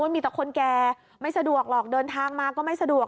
มีแต่คนแก่ไม่สะดวกหรอกเดินทางมาก็ไม่สะดวก